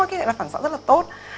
ho cái này là phản xạ rất là tốt